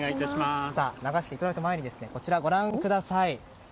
流していただく前にこちらをご覧ください。